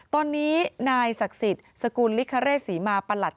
ตอนนี้นายศักดิ์สิทธิ์สกุลลิคเรสศรีมาประหลัด